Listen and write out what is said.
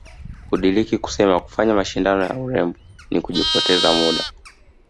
Hudiriki kusema kufanya mashindano ya urembo ni kujipoteza muda